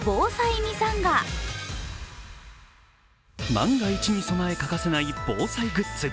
万が一に備え欠かせない防災グッズ。